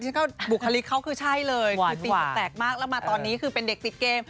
ฉันก็บุคลิกเขาคือใช่เลยคือตีมันแตกมากแล้วมาตอนนี้คือเป็นเด็กติดเกม